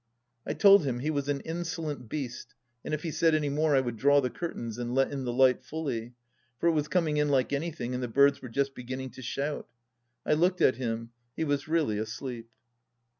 I told him he was an insolent beast, and if he said any more I would draw the curtains and let in the light fully. For it was coming in like anything, and the birds were just begiiming to shout. I looked at him — ^he was really asleep.